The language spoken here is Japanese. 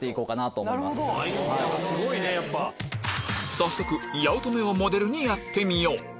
早速八乙女をモデルにやってみよう！